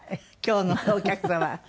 今日のお客様は。